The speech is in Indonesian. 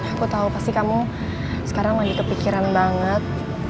aku tahu pasti kamu sekarang lagi kepikiran banget